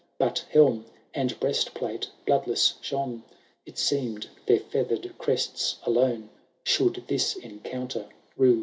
But helm and breastplate bloodless shone. It seem'd their feather'd crests alone Should this encounter rue.